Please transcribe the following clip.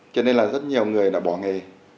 cho nên là rất nhiều người đã bỏ nghề